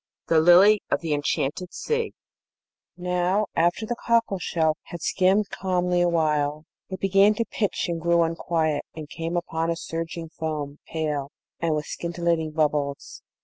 THE LILY OF THE ENCHANTED SEA Now, after the cockle shell had skimmed calmly awhile, it began to pitch and grew unquiet, and came upon a surging foam, pale, and with scintillating bubbles.